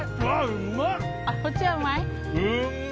・こっちもうまい？